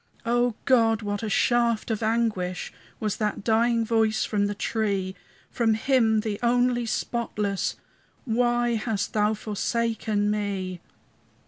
O God, what a shaft of anguish Was that dying voice from the tree! From Him the only spotless, "Why hast Thou forsaken me?"